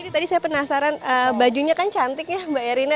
tadi saya penasaran bajunya kan cantik ya mbak erina